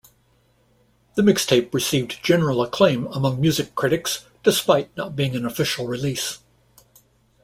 The mixtape received general acclaim among music critics, despite not being an official release.